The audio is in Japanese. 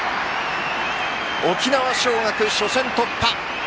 沖縄尚学、初戦突破！